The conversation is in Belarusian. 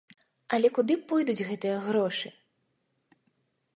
Але куды пойдуць гэтыя грошы?